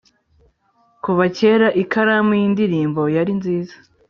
kuva kera ikaramu yindirimbo yari nziza